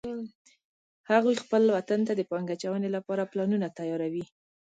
هغوی خپل وطن ته د پانګې اچونې لپاره پلانونه تیار وی